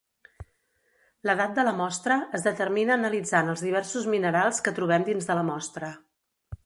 L"edat de la mostra es determina analitzant els diversos minerals que trobem dins de la mostra.